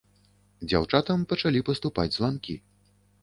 Дзяўчатам пачалі паступаць званкі.